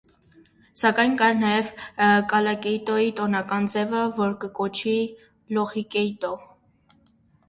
Սակայն կայ նաեւ կալակեյտոի տօնական ձևը որ կը կոչուի է լոխիկեյտո։